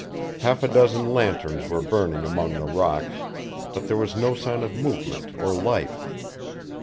Half a dozen lanterns were burning among the rocks, but there was no sign of movement or life.